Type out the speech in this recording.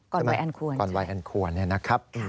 ก่อนวัยอันควรใช่ไหมครับก่อนวัยอันควรนะครับ